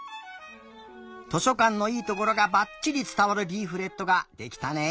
図書かんのいいところがばっちりつたわるリーフレットができたね。